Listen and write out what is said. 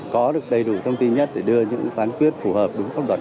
có được đầy đủ thông tin nhất để đưa những phán quyết phù hợp đúng phong đoạn